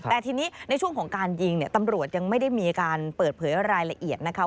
แต่ทีนี้ในช่วงของการยิงเนี่ยตำรวจยังไม่ได้มีการเปิดเผยรายละเอียดนะคะ